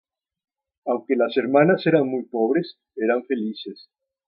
Aunque las hermanas eran muy pobres, eran felices.